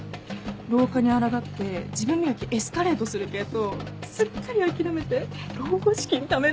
老化に抗って自分磨きエスカレートする系とすっかり諦めて老後資金ためる系。